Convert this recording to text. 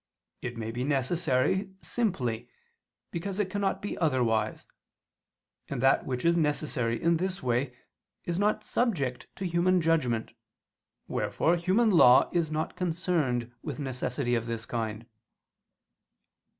It may be necessary simply, because it cannot be otherwise: and that which is necessary in this way, is not subject to human judgment, wherefore human law is not concerned with necessity of this kind.